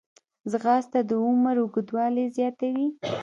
ځغاسته د عمر اوږدوالی زیاتوي